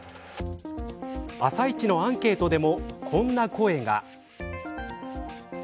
「あさイチ」のアンケートでもこんな声が。